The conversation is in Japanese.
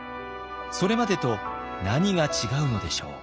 それまでと何が違うのでしょう？